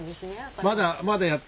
まだまだやってない。